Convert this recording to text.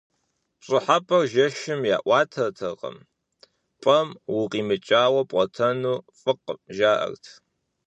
ПщӀыхьэпӀэр жэщым яӀуатэртэкъым, пӀэм укъимыкӀауэ пӀуэтэну фӀыкъым, жаӀэрт.